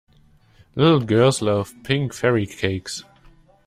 Little girls love pink fairy cakes.